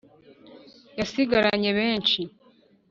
yasigaranye benshi